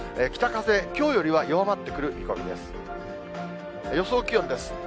北風、きょうよりは弱まってくる見込みです。